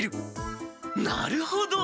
なるほど！